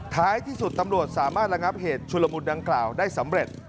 ท้ายที่สุดตำรวจสามารถระงับเหตุชุลมุนดังกล่าวได้สำเร็จ